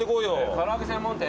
唐揚げ専門店？